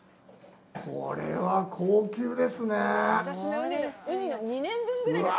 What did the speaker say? これは高級ですね。